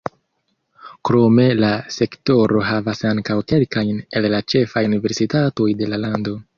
Krome la sektoro havas ankaŭ kelkajn el la ĉefaj universitatoj de la lando.